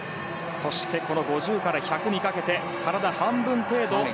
そして、５０から１００にかけて体半分程度。